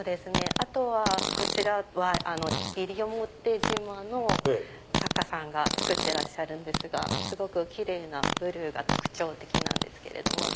あとはこちらは西表島の作家さんが作ってらっしゃるんですがすごくキレイなブルーが特徴的なんですけれども。